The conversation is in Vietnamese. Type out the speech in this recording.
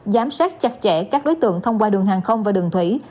giám sát chặt chẽ các đối tượng thông qua đường hàng không và đường thủy